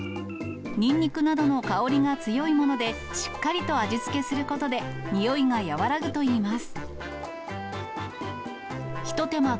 ニンニクなどの香りが強いもので、しっかりと味付けすることで、においが和らぐといいます。